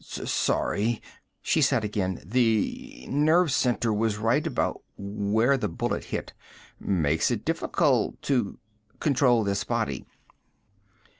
"Sorry," she said again. "The nerve center was right about where the bullet hit. Makes it difficult to control this body."